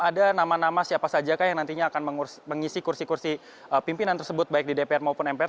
ada nama nama siapa saja yang nantinya akan mengisi kursi kursi pimpinan tersebut baik di dpr maupun mpr